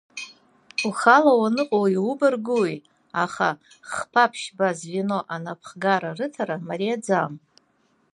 Ухала уаныҟоу иубаргуи, аха хԥа-ԥшьба звено анапхгара рыҭара мариаӡам.